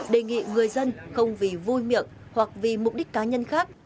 đề nghị người dân không vì vui miệng hoặc vì mục đích cá nhân khác